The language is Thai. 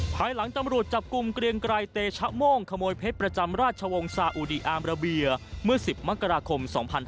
ภายหลังตำรวจจับกลุ่มเกรียงไกรเตชะโม่งขโมยเพชรประจำราชวงศ์ซาอุดีอามราเบียเมื่อ๑๐มกราคม๒๕๕๙